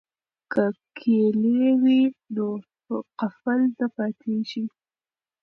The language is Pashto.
که کیلي وي نو قفل نه پاتیږي.